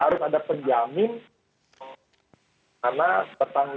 karena di dalam perang yang dikeluarkan oleh kementerian pertahanan